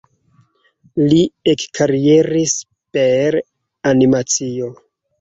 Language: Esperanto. Li ekkarieris per animacio.